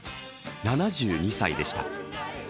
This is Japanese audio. ７２歳でした。